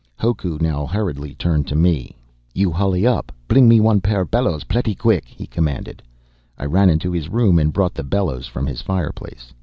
Hoku now hurriedly turned to me. "You hully up, bling me one pair bellows pletty quick!" he commanded. I ran into his room and brought the bellows from his fireplace.